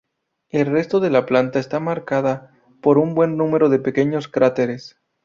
El resto de la planta está marcada por un buen número de pequeños cráteres.